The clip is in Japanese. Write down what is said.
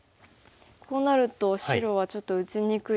こうなると白はちょっと打ちにくいですよね。